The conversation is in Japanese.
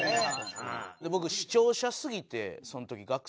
僕視聴者すぎてその時学生で。